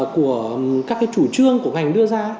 của các cái chủ trương của ngành đưa ra